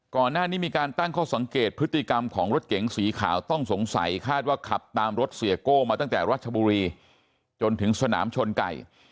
ก่อนหน้านี้มีการตั้งข้อสังเกตพฤติกรรมของรถเก๋งสีขาวต้องสงสัยคาดว่าขับตามรถเสียโก้มาตั้งแต่รัชบุรีจนถึงสนามชนไก่